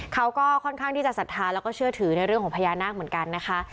เขาก็ค่อนข้างที่จะศรัทธาแล้วก็เชื่อถือในเรื่องของพญานาคเหมือนกันนะคะ